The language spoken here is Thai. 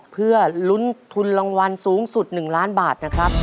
เพื่อลุ้นทุนรางวัลสูงสุด๑ล้านบาทนะครับ